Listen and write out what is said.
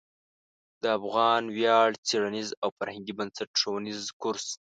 د افغان ویاړ څیړنیز او فرهنګي بنسټ ښوونیز کورس